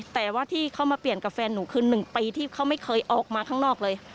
แต่ว่าที่เขามาเปลี่ยนกับแฟนหนูคือ๑ปีที่เขาไม่เคยออกมาข้างนอกเลย